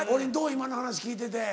今の話聞いてて。